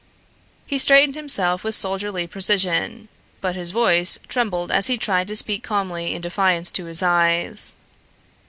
He straightened himself with soldierly precision, but his voice trembled as he tried to speak calmly in defiance to his eyes.